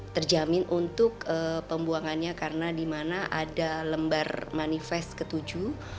terjamin untuk pembuangannya karena dimana ada lembar manifest ketujuh